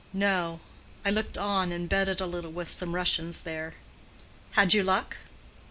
"No; I looked on and betted a little with some Russians there." "Had you luck?"